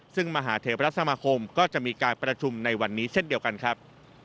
ซึ่งมหาเทพรัฐสมาคมก็จะมีการประชุมในวันนี้เช่นเดียวกันครับ